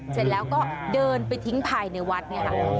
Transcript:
เสร็จแล้วก็เดินไปทิ้งพัยในวัดนะคะ